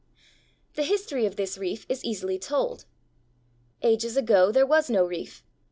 ] The history of this reef is easily told. Ages ago there was no reef.